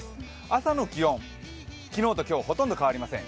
朝の気温、昨日と今日ほとんど変わりません。